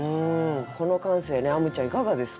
この感性ねあむちゃんいかがですか？